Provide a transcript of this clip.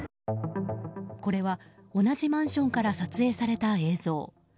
これは同じマンションから撮影された映像。